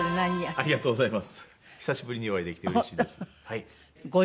ありがとうございます。